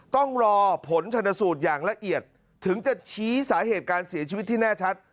ต้องรอผลชนสูตรอย่างละเอียดถึงจะชี้สาเหตุการเสียชีวิตที่แน่ชัด